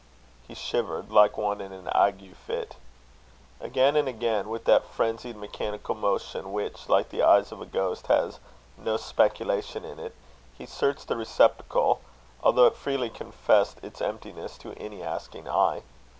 He shivered, like one in an ague fit. Again and again, with that frenzied, mechanical motion, which, like the eyes of a ghost, has "no speculation" in it, he searched the receptacle, although it freely confessed its emptiness to any asking eye.